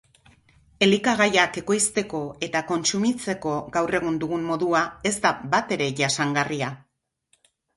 Elikagaiak ekoizteko eta kontsumitzeko gaur egun dugun modua ez da batere jasangarria.